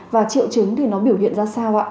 và triệu chứng thì nó biểu hiện ra sao ạ